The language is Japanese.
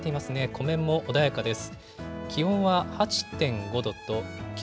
湖面も穏やかです。